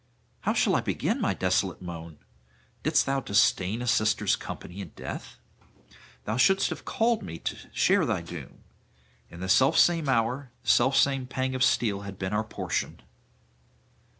How shall I begin my desolate moan? Didst thou disdain a sister's company in death? Thou shouldst have called me to share thy doom; in the self same hour, the self same pang of steel had been our portion.